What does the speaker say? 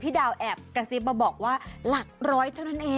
ดาวแอบกระซิบมาบอกว่าหลักร้อยเท่านั้นเอง